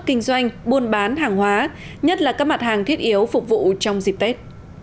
kinh doanh buôn bán hàng hóa nhất là các mặt hàng thiết yếu phục vụ trong dịp tết